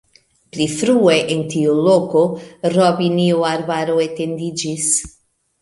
Pli frue en tiu loko robinio-arbaro etendiĝis.